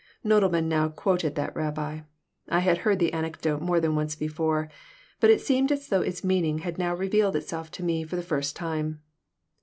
Nodelman now quoted that rabbi. I had heard the anecdote more than once before, but it seemed as though its meaning had now revealed itself to me for the first time.